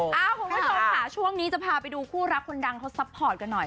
คุณผู้ชมค่ะช่วงนี้จะพาไปดูคู่รักคนดังเขาซัพพอร์ตกันหน่อย